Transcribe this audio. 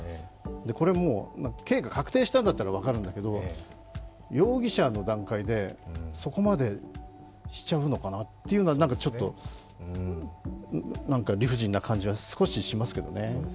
これもう、刑が確定したんだったら分かるんだけど容疑者の段階でそこまでしちゃうのかなっていうのは、ちょっと、なんか理不尽な感じは少ししますけどね。